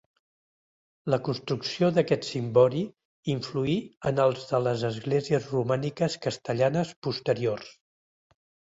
La construcció d'aquest cimbori influí en els de les esglésies romàniques castellanes posteriors.